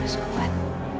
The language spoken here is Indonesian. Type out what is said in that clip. aku harus kuat